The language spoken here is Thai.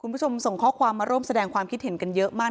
ผู้สมความ๑๙๖๓ในสเตงความคิดเห็นเยอะมาก